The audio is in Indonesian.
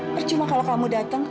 percuma kalau kamu datang